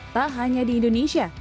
tak hanya di indonesia